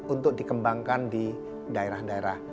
untuk dikembangkan di daerah daerah